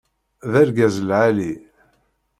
D argaz lɛali.